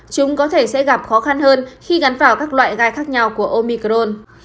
chúng có thể sẽ gặp khó khăn hơn khi gắn vào các loại gai khác nhau của omicrone